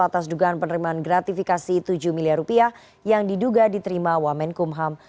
atas dugaan penerimaan gratifikasi tujuh miliar rupiah yang diduga diterima wamenkumham